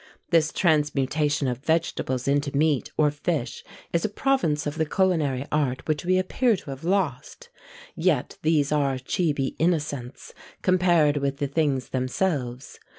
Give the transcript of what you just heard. This transmutation of vegetables into meat or fish is a province of the culinary art which we appear to have lost; yet these are cibi innocentes, compared with the things themselves.